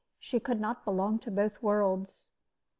She could not belong to both worlds.